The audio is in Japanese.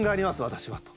私は」と。